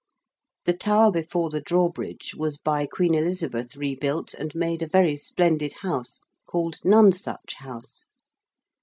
The tower before the drawbridge was by Queen Elizabeth rebuilt and made a very splendid house called Nonesuch House.